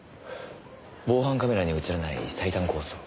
防犯カメラに映らない最短コースを。